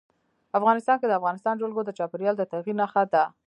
افغانستان کې د افغانستان جلکو د چاپېریال د تغیر نښه ده.